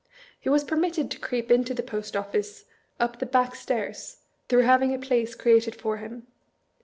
He was permitted to creep into the Post Office up the back stairs, through having a place created for him.